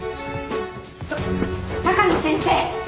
ちょっと鷹野先生！